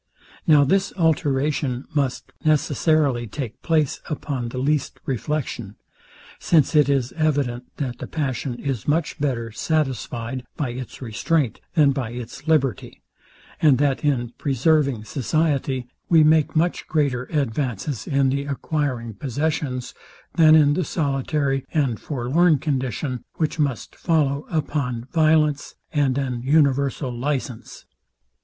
Now this alteration must necessarily take place upon the least reflection; since it is evident, that the passion is much better satisfyed by its restraint, than by its liberty, and that in preserving society, we make much greater advances in the acquiring possessions, than in the solitary and forlorn condition, which must follow upon violence and an universal licence.